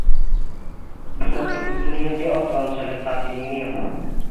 বিনোদপুর ইউনিয়নটি অত্র অঞ্চলের প্রাচীন ইউনিয়ন।